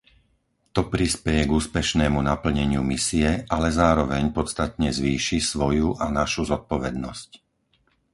To prispeje k úspešnému naplneniu misie, ale zároveň podstatne zvýši svoju a našu zodpovednosť.